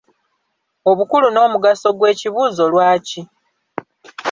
Obukulu n'omugaso gw'ekibuuzo 'Lwaki'?